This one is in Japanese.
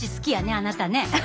あなたね。